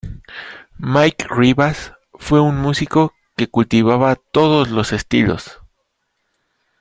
Mike Ribas fue un músico que cultivaba todos los estilos.